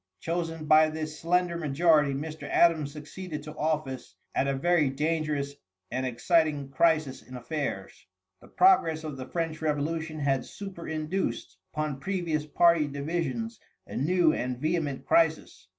Chosen by this slender majority, Mr. Adams succeeded to office at a very dangerous and exciting crisis in affairs. The progress of the French revolution had superinduced upon previous party divisions a new and vehement crisis.